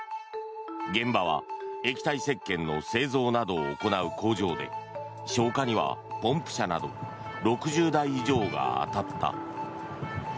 現場は液体せっけんの製造などを行う工場で消火にはポンプ車など６０台以上が当たった。